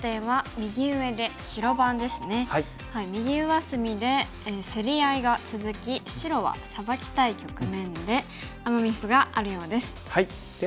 右上隅で競り合いが続き白はサバきたい局面でアマ・ミスがあるようです。